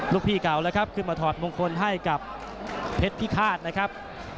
พี่เก่าแล้วครับขึ้นมาถอดมงคลให้กับเพชรพิฆาตนะครับ